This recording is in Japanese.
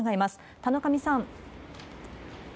田上さん。